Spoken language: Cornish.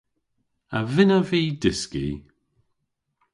A vynnav vy dyski?